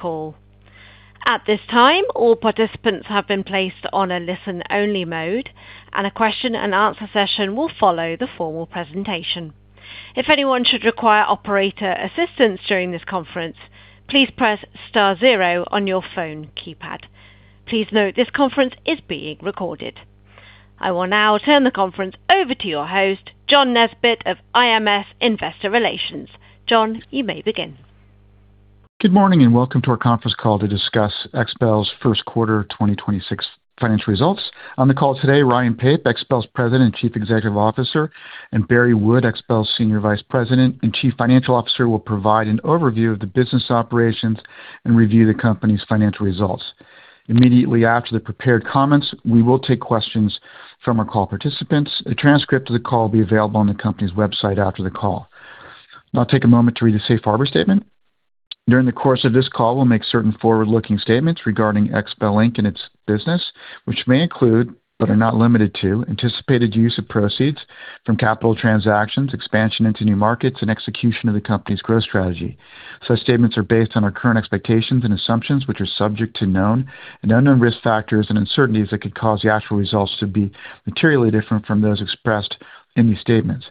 Call. At this time, all participants have been placed on a listen-only mode and a question-and-answer session will follow the formal presentation. If anyone should require operator assistance during this conference, please press star zero on your phone keypad. Please note this conference is being recorded. I will now turn the conference over to your host, John Nesbett of IMS Investor Relations. John, you may begin. Good morning and welcome to our conference call to discuss XPEL's first quarter 2026 financial results. On the call today, Ryan Pape, XPEL's President and Chief Executive Officer, and Barry Wood, XPEL's Senior Vice President and Chief Financial Officer, will provide an overview of the business operations and review the company's financial results. Immediately after the prepared comments, we will take questions from our call participants. A transcript of the call will be available on the company's website after the call. Now I'll take a moment to read the safe harbor statement. During the course of this call, we'll make certain forward-looking statements regarding XPEL, Inc. and its business, which may include, but are not limited to, anticipated use of proceeds from capital transactions, expansion into new markets, and execution of the company's growth strategy. Such statements are based on our current expectations and assumptions, which are subject to known and unknown risk factors and uncertainties that could cause the actual results to be materially different from those expressed in these statements.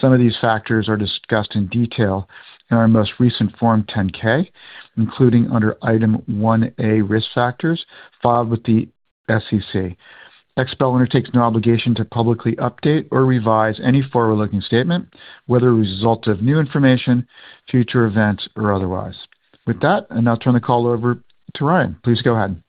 Some of these factors are discussed in detail in our most recent Form 10-K, including under Item 1A, Risk Factors, filed with the SEC. XPEL undertakes no obligation to publicly update or revise any forward-looking statement, whether a result of new information, future events, or otherwise. With that, I now turn the call over to Ryan. Please go ahead.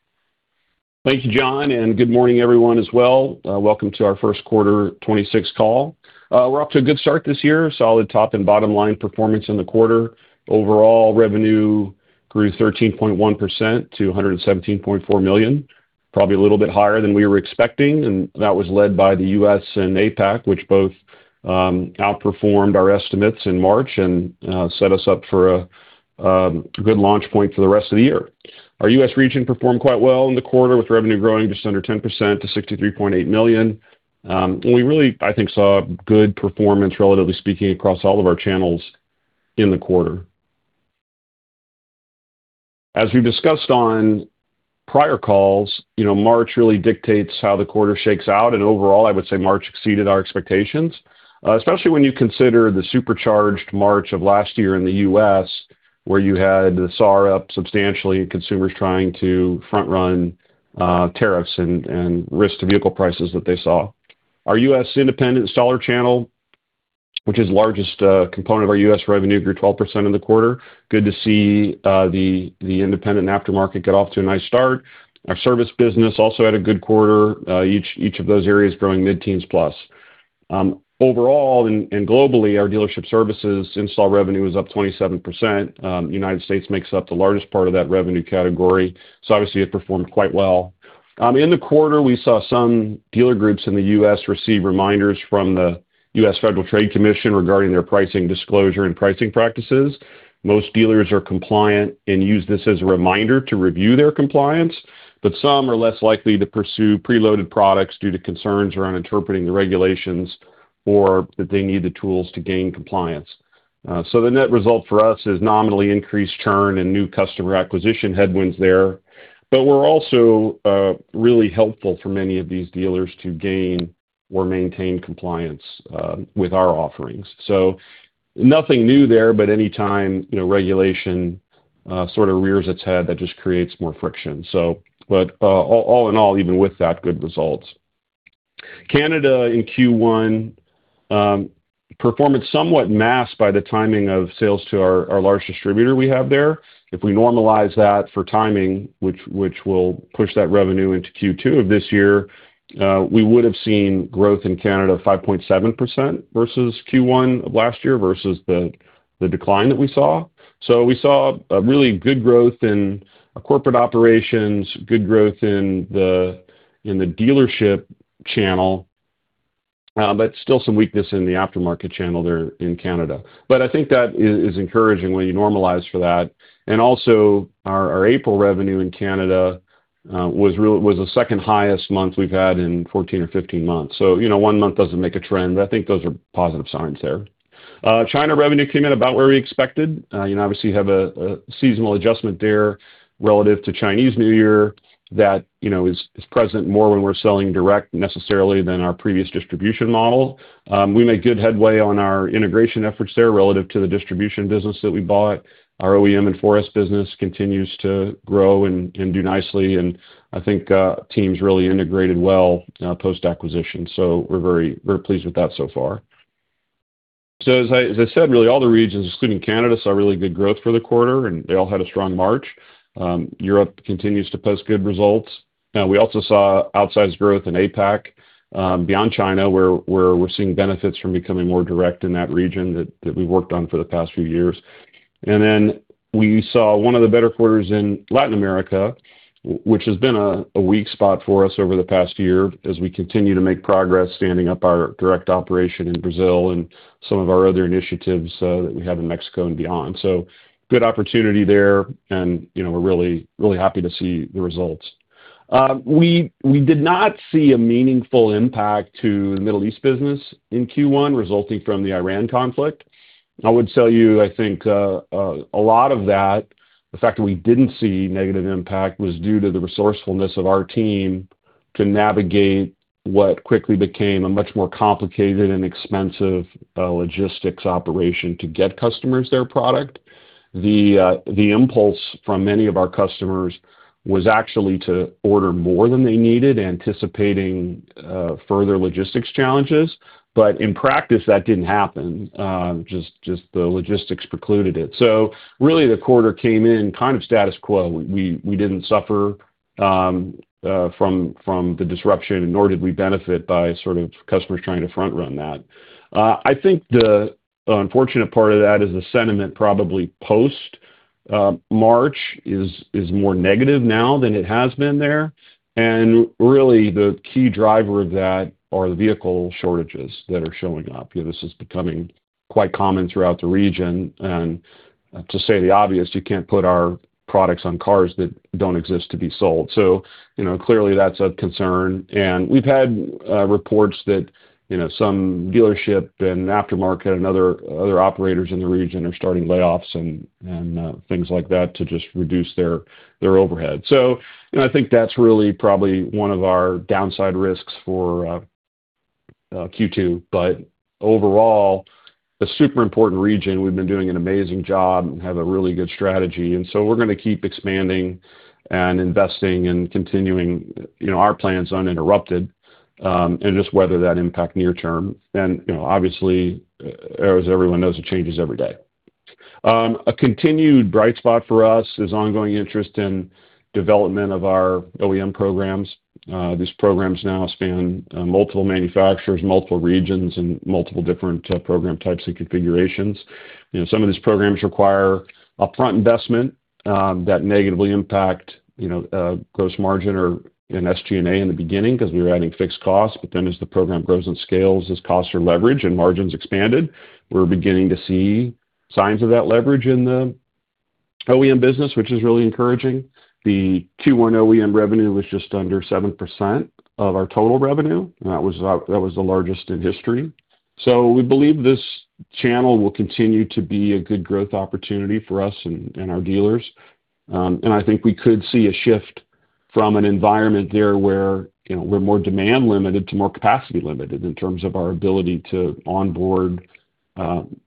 Thank you, John, and good morning everyone as well. Welcome to our first quarter 2026 call. We're off to a good start this year. Solid top and bottom line performance in the quarter. Overall revenue grew 13.1% to $117.4 million. Probably a little bit higher than we were expecting. That was led by the U.S. and APAC, which both outperformed our estimates in March and set us up for a good launch point for the rest of the year. Our U.S. region performed quite well in the quarter, with revenue growing just under 10% to $63.8 million. We really, I think, saw good performance, relatively speaking, across all of our channels in the quarter. As we've discussed on prior calls, you know, March really dictates how the quarter shakes out. Overall, I would say March exceeded our expectations, especially when you consider the supercharged March of last year in the U.S., where you had the SAAR up substantially and consumers trying to front run tariffs and risk to vehicle prices that they saw. Our U.S. independent installer channel, which is the largest component of our U.S. revenue, grew 12% in the quarter. Good to see the independent aftermarket get off to a nice start. Our service business also had a good quarter, each of those areas growing mid-teens plus. Overall and globally, our dealership services install revenue was up 27%. United States makes up the largest part of that revenue category, so obviously it performed quite well. In the quarter, we saw some dealer groups in the U.S. receive reminders from the U.S. Federal Trade Commission regarding their pricing disclosure and pricing practices. Most dealers are compliant and use this as a reminder to review their compliance, but some are less likely to pursue preloaded products due to concerns around interpreting the regulations or that they need the tools to gain compliance. The net result for us is nominally increased churn and new customer acquisition headwinds there. We're also really helpful for many of these dealers to gain or maintain compliance with our offerings. Nothing new there, but any time, you know, regulation sort of rears its head, that just creates more friction. All in all, even with that, good results. Canada in Q1, performance somewhat masked by the timing of sales to our largest distributor we have there. If we normalize that for timing, which will push that revenue into Q2 of this year, we would have seen growth in Canada of 5.7% versus Q1 of last year versus the decline that we saw. We saw a really good growth in corporate operations, good growth in the dealership channel, but still some weakness in the aftermarket channel there in Canada. I think that is encouraging when you normalize for that. Also our April revenue in Canada, was the second highest month we've had in 14 or 15 months. You know, one month doesn't make a trend, but I think those are positive signs there. China revenue came in about where we expected. You know, obviously you have a seasonal adjustment there relative to Chinese New Year that, you know, is present more when we're selling direct necessarily than our previous distribution model. We made good headway on our integration efforts there relative to the distribution business that we bought. Our OEM and 4S business continues to grow and do nicely. I think teams really integrated well post-acquisition. We're very, very pleased with that so far. As I said, really all the regions, excluding Canada, saw really good growth for the quarter, and they all had a strong March. Europe continues to post good results. We also saw outsized growth in APAC, beyond China, where we're seeing benefits from becoming more direct in that region that we've worked on for the past few years. We saw one of the better quarters in Latin America, which has been a weak spot for us over the past year as we continue to make progress standing up our direct operation in Brazil and some of our other initiatives, that we have in Mexico and beyond. Good opportunity there, and you know, we're really, really happy to see the results. We did not see a meaningful impact to the Middle East business in Q1 resulting from the Iran conflict. I would tell you, I think, a lot of that, the fact that we didn't see negative impact, was due to the resourcefulness of our team to navigate what quickly became a much more complicated and expensive logistics operation to get customers their product. The impulse from many of our customers was actually to order more than they needed, anticipating further logistics challenges. In practice, that didn't happen, just the logistics precluded it. Really, the quarter came in kind of status quo. We didn't suffer from the disruption, nor did we benefit by sort of customers trying to front run that. I think the unfortunate part of that is the sentiment probably post March is more negative now than it has been there. Really, the key driver of that are the vehicle shortages that are showing up. You know, this is becoming quite common throughout the region. To say the obvious, you can't put our products on cars that don't exist to be sold. Clearly, you know, that's a concern. We've had reports that, you know, some dealership and aftermarket and other operators in the region are starting layoffs and things like that to just reduce their overhead. I think, you know, that's really probably one of our downside risks for Q2. Overall, a super important region. We've been doing an amazing job and have a really good strategy. We're gonna keep expanding and investing and continuing, you know, our plans uninterrupted and just weather that impact near term. You know, obviously, as everyone knows, it changes every day. A continued bright spot for us is ongoing interest in development of our OEM programs. These programs now span multiple manufacturers, multiple regions, and multiple different program types and configurations. You know, some of these programs require upfront investment that negatively impact gross margin or SG&A in the beginning because we were adding fixed costs. As the program grows and scales, those costs are leveraged and margins expanded. We're beginning to see signs of that leverage in the OEM business, which is really encouraging. The Q1 OEM revenue was just under 7% of our total revenue. That was the largest in history. We believe this channel will continue to be a good growth opportunity for us and our dealers. I think we could see a shift from an environment there where, you know, we're more demand limited to more capacity limited in terms of our ability to onboard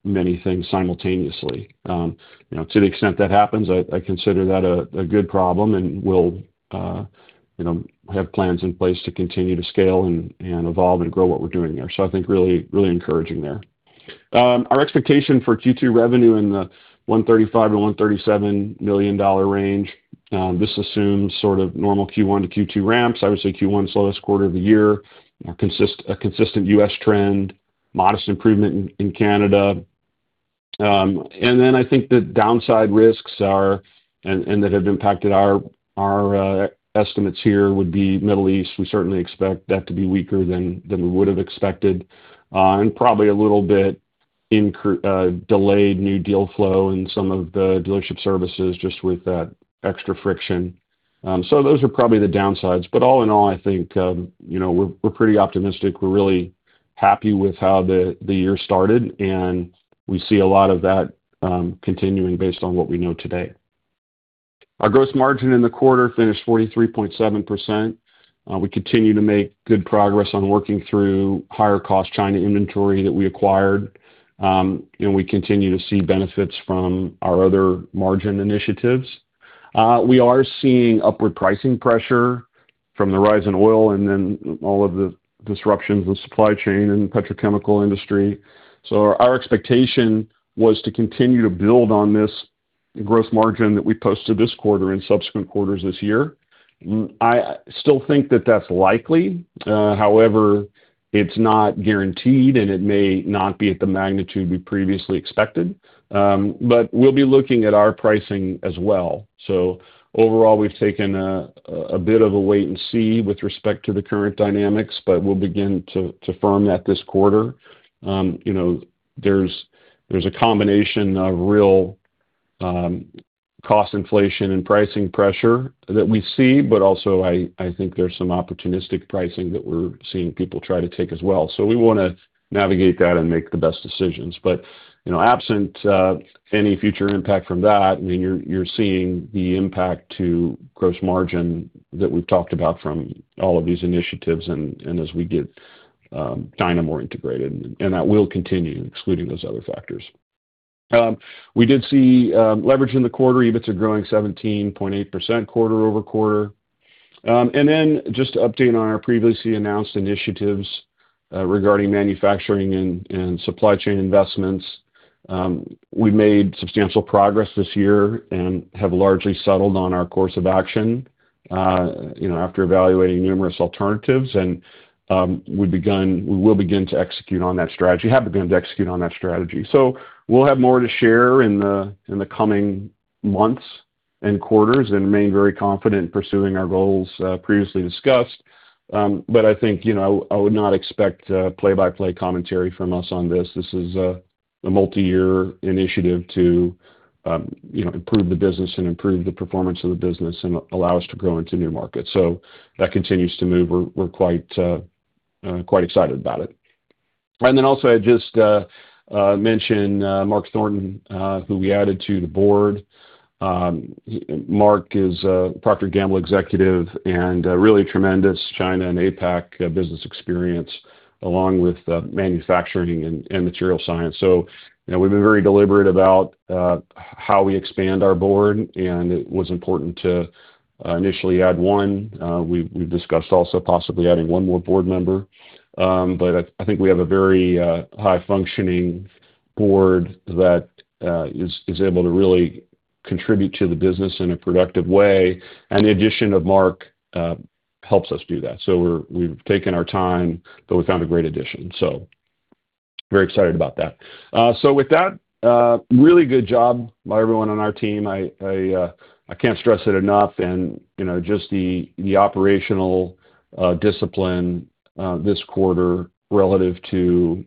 many things simultaneously. You know, to the extent that happens, I consider that a good problem, and we'll, you know, have plans in place to continue to scale and evolve and grow what we're doing there. I think really encouraging there. Our expectation for Q2 revenue in the $135 million to $137 million range. This assumes sort of normal Q1 to Q2 ramps. Obviously, Q1 slowest quarter of the year. You know, a consistent U.S. trend, modest improvement in Canada. I think the downside risks are, and that have impacted our estimates here would be Middle East. We certainly expect that to be weaker than we would have expected. Probably a little bit delayed new deal flow in some of the dealership services just with that extra friction. Those are probably the downsides. All in all, I think, you know, we're pretty optimistic. We're really happy with how the year started, and we see a lot of that continuing based on what we know today. Our gross margin in the quarter finished 43.7%. We continue to make good progress on working through higher cost China inventory that we acquired. We continue to see benefits from our other margin initiatives. We are seeing upward pricing pressure from the rise in oil and then all of the disruptions in supply chain and petrochemical industry. Our expectation was to continue to build on this gross margin that we posted this quarter in subsequent quarters this year. I still think that that's likely. However, it's not guaranteed, and it may not be at the magnitude we previously expected. We'll be looking at our pricing as well. Overall, we've taken a bit of a wait and see with respect to the current dynamics, but we'll begin to firm that this quarter. You know, there's a combination of real cost inflation and pricing pressure that we see, but also I think there's some opportunistic pricing that we're seeing people try to take as well. We wanna navigate that and make the best decisions. You know, absent any future impact from that, I mean, you're seeing the impact to gross margin that we've talked about from all of these initiatives and as we get DYNO more integrated, and that will continue excluding those other factors. We did see leverage in the quarter. EBITs are growing 17.8% quarter-over-quarter. Then just to update on our previously announced initiatives regarding manufacturing and supply chain investments. We made substantial progress this year and have largely settled on our course of action, you know, after evaluating numerous alternatives. We have begun to execute on that strategy. We'll have more to share in the, in the coming months and quarters and remain very confident in pursuing our goals, previously discussed. I think, you know, I would not expect play-by-play commentary from us on this. This is a multi-year initiative to, you know, improve the business and improve the performance of the business and allow us to grow into new markets. That continues to move. We're quite excited about it. Also, I just mention Mark Thornton, who we added to the board. Mark is a Procter & Gamble executive and really tremendous China and APAC business experience, along with manufacturing and material science. You know, we've been very deliberate about how we expand our board, and it was important to initially add one. We've discussed also possibly adding one more board member. I think we have a very high functioning board that is able to really contribute to the business in a productive way. The addition of Mark helps us do that. We've taken our time, but we found a great addition, so very excited about that. With that, really good job by everyone on our team. I can't stress it enough. You know, just the operational discipline this quarter relative to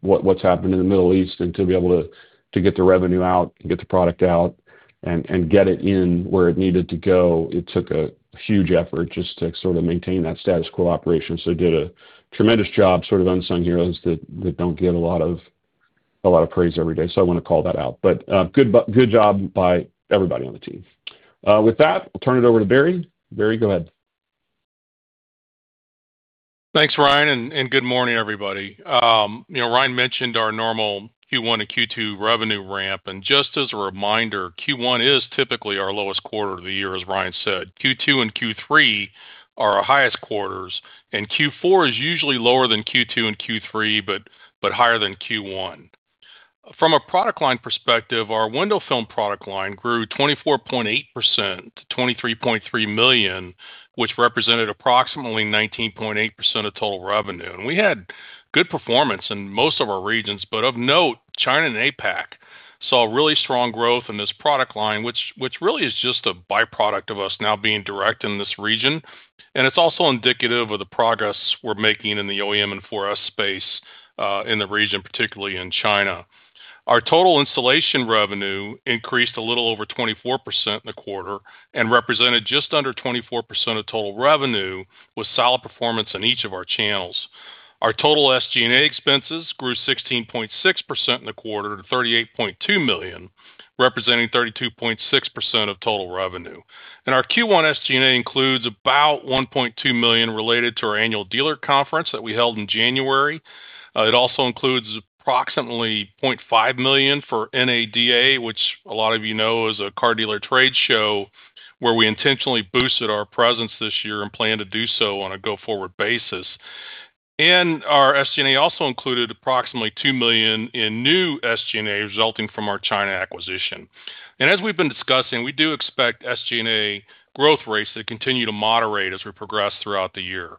what's happened in the Middle East and to be able to get the revenue out and get the product out and get it in where it needed to go. It took a huge effort just to sort of maintain that status quo operation. Did a tremendous job, sort of unsung heroes that don't get a lot of, a lot of praise every day. I wanna call that out. Good job by everybody on the team. With that, I'll turn it over to Barry. Barry, go ahead. Thanks, Ryan, and good morning, everybody. You know, Ryan mentioned our normal Q1 and Q2 revenue ramp. Just as a reminder, Q1 is typically our lowest quarter of the year, as Ryan said. Q2 and Q3 are our highest quarters, and Q4 is usually lower than Q2 and Q3 but higher than Q1. From a product line perspective, our window film product line grew 24.8% to $23.3 million, which represented approximately 19.8% of total revenue. We had good performance in most of our regions, but of note, China and APAC saw really strong growth in this product line, which really is just a byproduct of us now being direct in this region. It's also indicative of the progress we're making in the OEM and 4S space in the region, particularly in China. Our total installation revenue increased a little over 24% in the quarter and represented just under 24% of total revenue, with solid performance in each of our channels. Our total SG&A expenses grew 16.6% in the quarter to $38.2 million, representing 32.6% of total revenue. Our Q1 SG&A includes about $1.2 million related to our annual dealer conference that we held in January. It also includes approximately $0.5 million for NADA, which a lot of you know is a car dealer trade show where we intentionally boosted our presence this year and plan to do so on a go-forward basis. Our SG&A also included approximately $2 million in new SG&A resulting from our China acquisition. As we've been discussing, we do expect SG&A growth rates to continue to moderate as we progress throughout the year.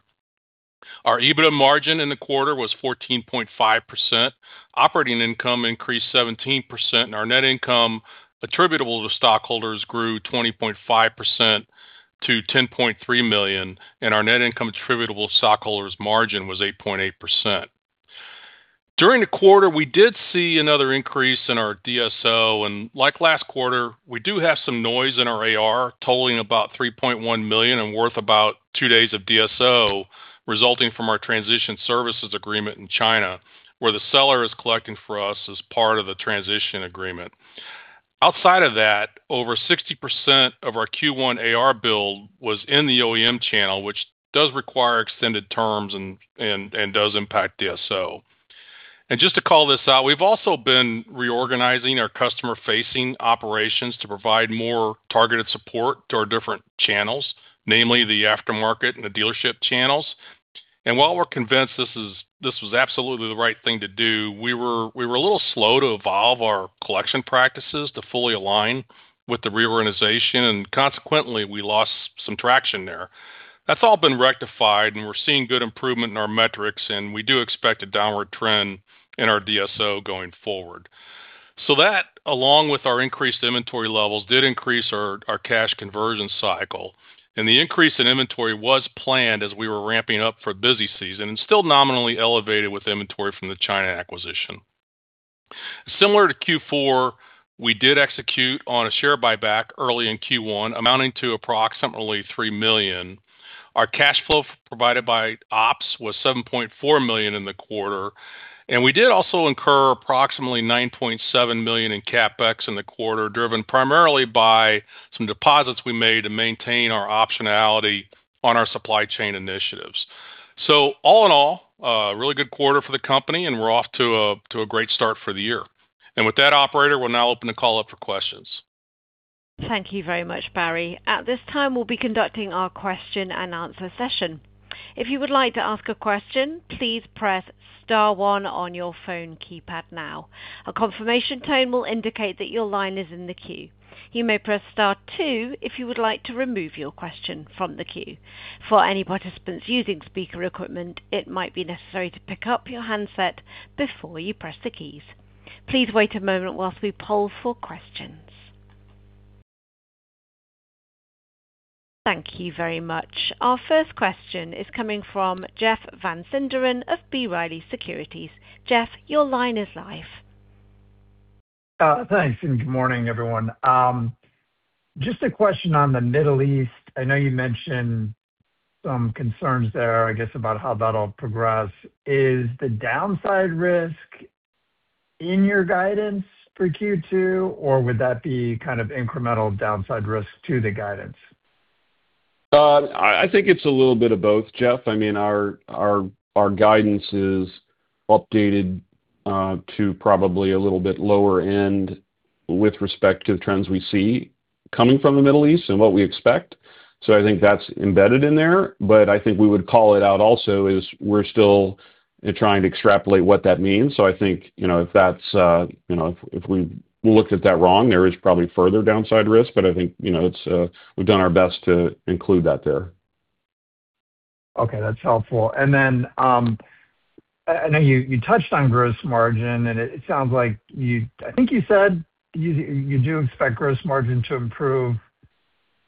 Our EBITDA margin in the quarter was 14.5%. Operating income increased 17%, and our net income attributable to stockholders grew 20.5% to $10.3 million, and our net income attributable to stockholders' margin was 8.8%. During the quarter, we did see another increase in our DSO. Like last quarter, we do have some noise in our AR, totaling about $3.1 million and worth about two days of DSO, resulting from our transition services agreement in China, where the seller is collecting for us as part of the transition agreement. Outside of that, over 60% of our Q1 AR bill was in the OEM channel, which does require extended terms and does impact DSO. Just to call this out, we've also been reorganizing our customer-facing operations to provide more targeted support to our different channels, namely the aftermarket and the dealership channels. While we're convinced this was absolutely the right thing to do, we were a little slow to evolve our collection practices to fully align with the reorganization, and consequently, we lost some traction there. That's all been rectified, and we're seeing good improvement in our metrics, and we do expect a downward trend in our DSO going forward. That, along with our increased inventory levels, did increase our cash conversion cycle. The increase in inventory was planned as we were ramping up for busy season and still nominally elevated with inventory from the China acquisition. Similar to Q4, we did execute on a share buyback early in Q1, amounting to approximately $3 million. Our cash flow provided by ops was $7.4 million in the quarter. We did also incur approximately $9.7 million in CapEx in the quarter, driven primarily by some deposits we made to maintain our optionality on our supply chain initiatives. All in all, a really good quarter for the company, and we're off to a great start for the year. With that, operator, we'll now open the call up for questions. Thank you very much, Barry. At this time, we'll be conducting our question-and-answer session. If you would like to ask a question, please press star one on your phone keypad now. A confirmation tone will indicate that your line is in the queue. You may press star two if you would like to remove your question from the queue. For any participants using speaker equipment, it might be necessary to pick up your handset before you press the keys. Please wait a moment whilst we poll for questions. Thank you very much. Our first question is coming from Jeff Van Sinderen of B. Riley Securities. Jeff, your line is live. Thanks, and good morning, everyone. Just a question on the Middle East. I know you mentioned some concerns there, I guess, about how that'll progress. Is the downside risk in your guidance for Q2, or would that be kind of incremental downside risk to the guidance? I think it's a little bit of both, Jeff. I mean, our guidance is updated to probably a little bit lower end with respect to the trends we see coming from the Middle East and what we expect. I think that's embedded in there. I think we would call it out also is we're still trying to extrapolate what that means. I think, you know, if that's, you know, if we looked at that wrong, there is probably further downside risk. I think, you know, it's, we've done our best to include that there. Okay, that's helpful. Then, I know you touched on gross margin, and it sounds like I think you said you do expect gross margin to improve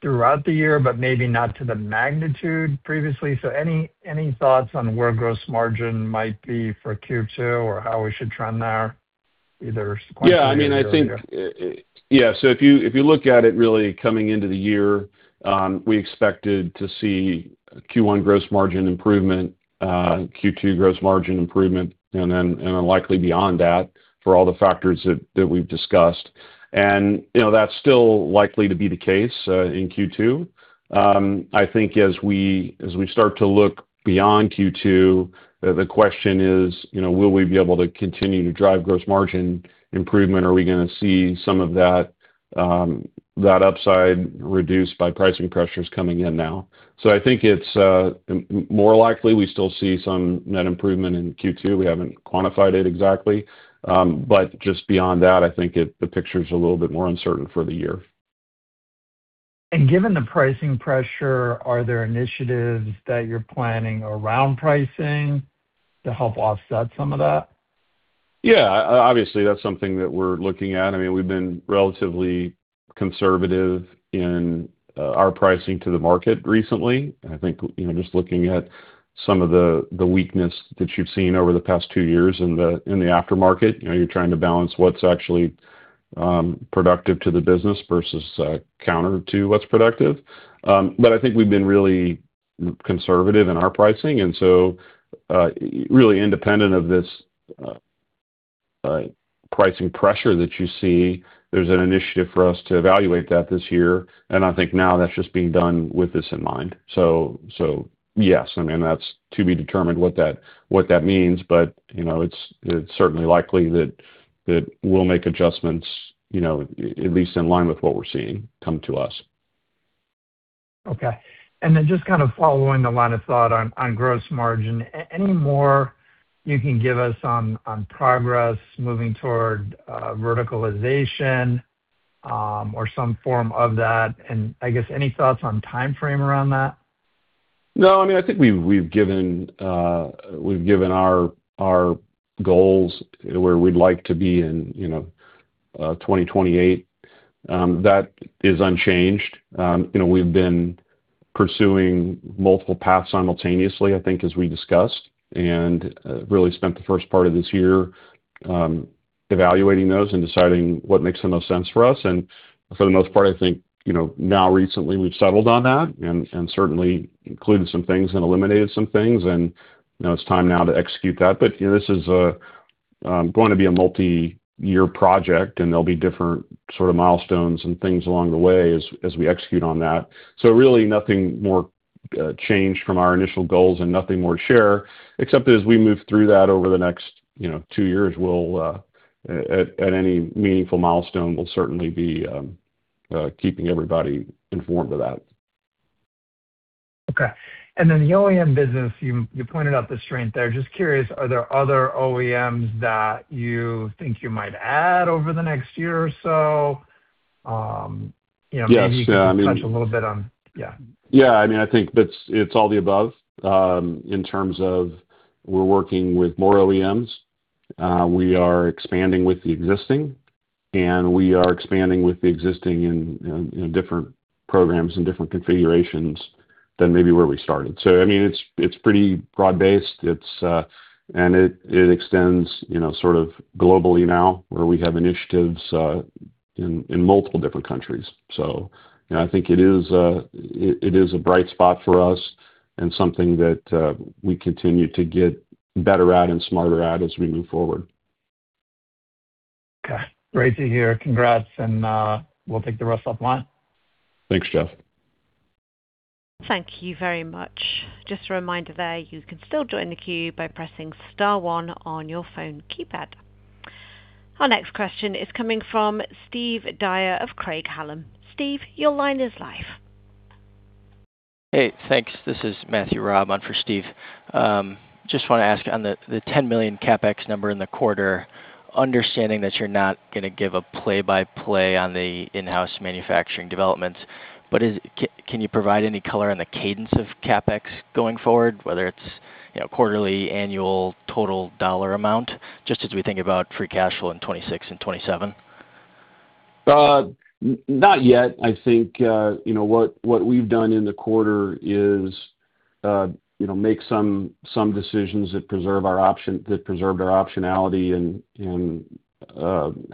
throughout the year, but maybe not to the magnitude previously. Any thoughts on where gross margin might be for Q2 or how we should trend there either sequentially or year-over-year? Yeah, I mean, I think. Yeah. If you, if you look at it really coming into the year, we expected to see Q1 gross margin improvement, Q2 gross margin improvement and then, and then likely beyond that for all the factors that we've discussed. You know, that's still likely to be the case in Q2. I think as we, as we start to look beyond Q2, the question is, you know, will we be able to continue to drive gross margin improvement? Are we gonna see some of that upside reduced by pricing pressures coming in now? I think it's more likely we still see some net improvement in Q2. We haven't quantified it exactly. Just beyond that, I think the picture's a little bit more uncertain for the year. Given the pricing pressure, are there initiatives that you're planning around pricing to help offset some of that? Yeah. Obviously, that's something that we're looking at. I mean, we've been relatively conservative in our pricing to the market recently. I think, you know, just looking at some of the weakness that you've seen over the past two years in the aftermarket, you know, you're trying to balance what's actually productive to the business versus counter to what's productive. I think we've been really conservative in our pricing. Really independent of this pricing pressure that you see, there's an initiative for us to evaluate that this year, and I think now that's just being done with this in mind. Yes, I mean, that's to be determined what that means. You know, it's certainly likely that we'll make adjustments, you know, at least in line with what we're seeing come to us. Okay. Then just kind of following the line of thought on gross margin. Any more you can give us on progress moving toward, verticalization, or some form of that? I guess any thoughts on timeframe around that? No. I mean, I think we've given our goals where we'd like to be in, you know, 2028. That is unchanged. You know, we've been pursuing multiple paths simultaneously, I think, as we discussed, and really spent the first part of this year evaluating those and deciding what makes the most sense for us. For the most part, I think, you know, now recently we've settled on that and certainly included some things and eliminated some things. You know, it's time now to execute that. You know, this is going to be a multi-year project, and there'll be different sort of milestones and things along the way as we execute on that. Really nothing more changed from our initial goals and nothing more to share, except as we move through that over the next, you know, two years, we'll, at any meaningful milestone, we'll certainly be keeping everybody informed of that. Okay. Then the OEM business, you pointed out the strength there. Just curious, are there other OEMs that you think you might add over the next year or so? you know. Yes. Yeah, I mean. Maybe you can touch a little bit on. Yeah. Yeah. I mean, I think it's all the above, in terms of we're working with more OEMs. We are expanding with the existing, we are expanding with the existing in different programs and different configurations than maybe where we started. I mean, it's pretty broad-based. It extends, you know, sort of globally now, where we have initiatives in multiple different countries. You know, I think it is a bright spot for us and something that we continue to get better at and smarter at as we move forward. Okay. Great to hear. Congrats and we'll take the rest offline. Thanks, Jeff. Thank you very much. Just a reminder there, you can still join the queue by pressing star one on your phone keypad. Our next question is coming from Steve Dyer of Craig-Hallum. Steve, your line is live. Hey, thanks. This is Matthew Raab on for Steve. Just wanna ask on the $10 million CapEx number in the quarter, understanding that you're not gonna give a play-by-play on the in-house manufacturing developments, but can you provide any color on the cadence of CapEx going forward, whether it's, you know, quarterly, annual, total dollar amount, just as we think about free cash flow in 2026 and 2027? Not yet. I think, you know, what we've done in the quarter is, you know, make some decisions that preserved our optionality and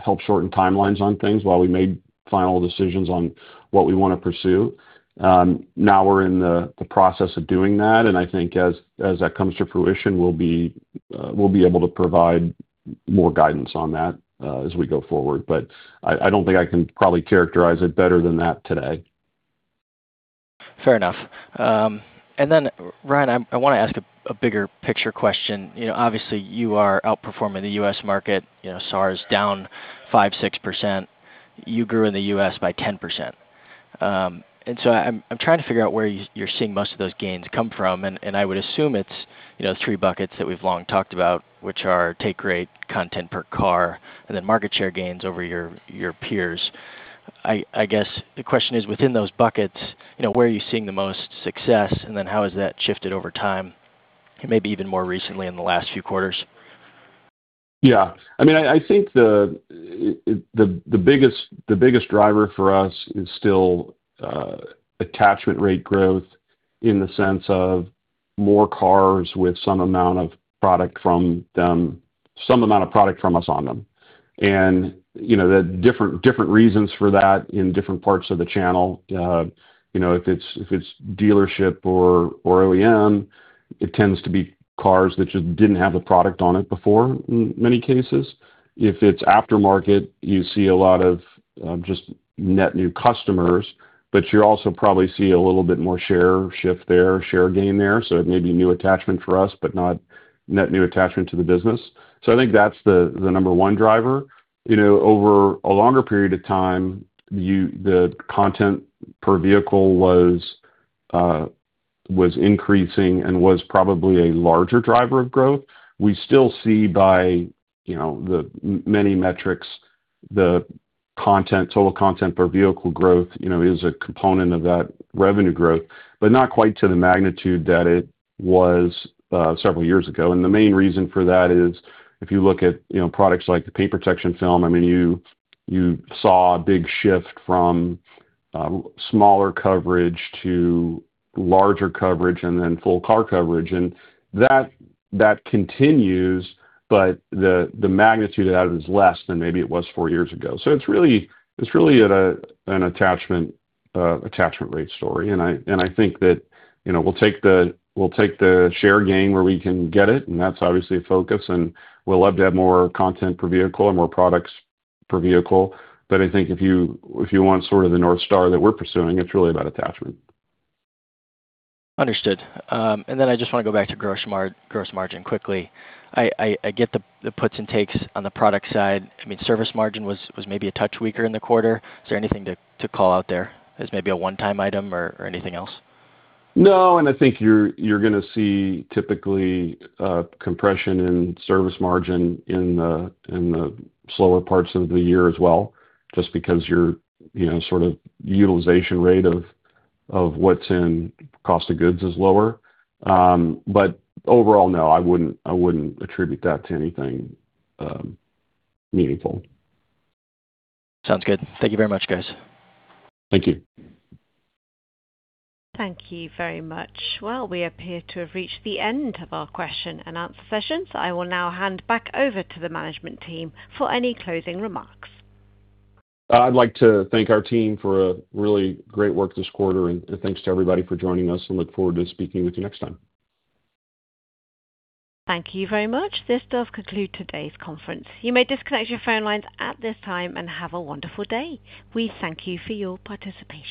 help shorten timelines on things while we made final decisions on what we wanna pursue. Now we're in the process of doing that. I think as that comes to fruition, we'll be able to provide more guidance on that as we go forward. I don't think I can probably characterize it better than that today. Fair enough. Then Ryan, I wanna ask a bigger picture question. You know, obviously you are outperforming the U.S. market. You know, SAAR's down 5%, 6%. You grew in the U.S. by 10%. I'm trying to figure out where you're seeing most of those gains come from, and I would assume it's, you know, the three buckets that we've long talked about, which are take rate, content per car, and then market share gains over your peers. I guess the question is, within those buckets, you know, where are you seeing the most success, and then how has that shifted over time, and maybe even more recently in the last few quarters? I mean, I think the biggest driver for us is still attachment rate growth in the sense of more cars with some amount of product from us on them. You know, there are different reasons for that in different parts of the channel. You know, if it's dealership or OEM, it tends to be cars that just didn't have the product on it before in many cases. If it's aftermarket, you see a lot of just net new customers, but you also probably see a little bit more share shift there, share gain there, so it may be new attachment for us, but not net new attachment to the business. I think that's the number one driver. You know, over a longer period of time, the content per vehicle was increasing and was probably a larger driver of growth. We still see by, you know, many metrics, the content, total content per vehicle growth, you know, is a component of that revenue growth, but not quite to the magnitude that it was several years ago. The main reason for that is if you look at, you know, products like the paint protection film, I mean, you saw a big shift from smaller coverage to larger coverage and then full car coverage. That continues, but the magnitude of that is less than maybe it was four years ago. It's really at an attachment rate story. I think that, you know, we'll take the share gain where we can get it, and that's obviously a focus, and we'd love to have more content per vehicle and more products per vehicle. I think if you want sort of the North Star that we're pursuing, it's really about attachment. Understood. I just wanna go back to gross margin quickly. I get the puts and takes on the product side. I mean, service margin was maybe a touch weaker in the quarter. Is there anything to call out there as maybe a one-time item or anything else? I think you're gonna see typically compression in service margin in the slower parts of the year as well, just because you're, you know, sort of utilization rate of what's in cost of goods is lower. Overall, no, I wouldn't attribute that to anything meaningful. Sounds good. Thank you very much, guys. Thank you. Thank you very much. We appear to have reached the end of our question-and-answer session, so I will now hand back over to the management team for any closing remarks. I'd like to thank our team for a really great work this quarter, and thanks to everybody for joining us. Look forward to speaking with you next time. Thank you very much. This does conclude today's conference. You may disconnect your phone lines at this time, and have a wonderful day. We thank you for your participation.